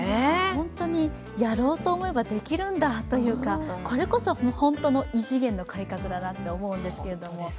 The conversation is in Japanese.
本当に、やろうと思えばできるんだというかこれこそ本当の異次元の改革だなと思うんですけど。